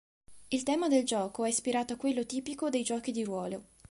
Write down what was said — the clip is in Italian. Il tema del gioco è ispirato a quello tipico dei giochi di ruolo.